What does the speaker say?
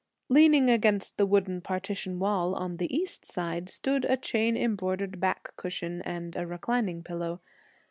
Leaning against the wooden partition wall, on the east side, stood a chain embroidered back cushion and a reclining pillow.